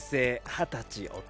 二十歳男。